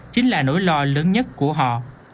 chính là nỗi lo lớn nhất của họ